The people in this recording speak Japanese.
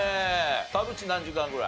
田渕何時間ぐらい？